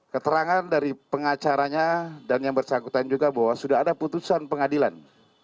keterangan dari pengacaranya dan yang bersangkutan juga bahwa sudah ada putusan pengadilan